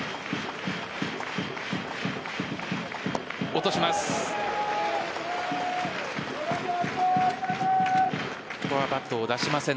落とします。